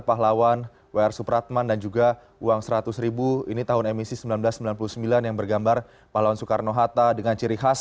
pahlawan wr supratman dan juga uang seratus ribu ini tahun emisi seribu sembilan ratus sembilan puluh sembilan yang bergambar pahlawan soekarno hatta dengan ciri khas